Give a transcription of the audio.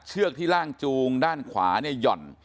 เชือกที่ล่างจูงด้านขวาย่อน